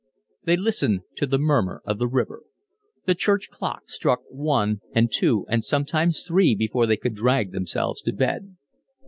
They listened to the murmur of the river. The church clock struck one and two and sometimes three before they could drag themselves to bed.